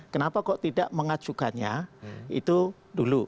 kenapa kok tidak mengajukannya itu dulu